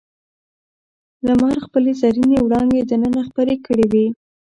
لمر خپلې زرینې وړانګې دننه خپرې کړې وې.